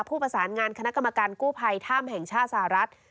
ผู้ประสานงานคณะกรรมการกู้ภัยถ้ำแห่งชาติสหรัฐ